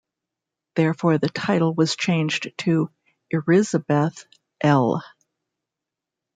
Therefore, the title was changed to "Erizabeth L".